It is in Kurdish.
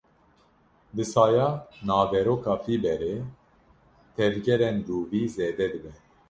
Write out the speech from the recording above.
Bi saya naveroka fîberê, tevgerên rûvî zêde dibe.